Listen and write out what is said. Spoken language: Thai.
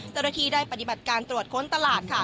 เจ้าหน้าที่ได้ปฏิบัติการตรวจค้นตลาดค่ะ